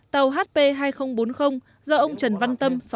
tàu hp hai nghìn bốn mươi do ông trần văn tâm